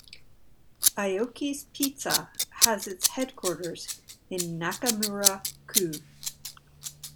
Aoki's Pizza has its headquarters in Nakamura-ku.